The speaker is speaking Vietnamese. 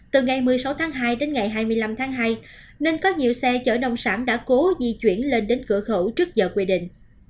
từ ngày một mươi sáu tháng hai đến ngày hai mươi năm tháng hai nên có nhiều xe chở nông sản đã cố di chuyển lên đến cửa khẩu trước giờ quy định